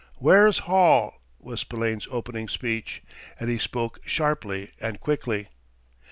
"Where's Hall?" was Spillane's opening speech, and he spoke sharply and quickly.